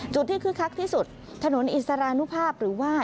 ที่คึกคักที่สุดถนนอิสรานุภาพหรือว่า